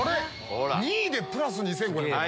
２位でプラス２５００円？